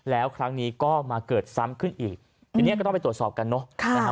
แล้วครั้งนี้ก็มาเกิดซ้ำขึ้นอีกทีนี้ก็ต้องไปตรวจสอบกันเนอะ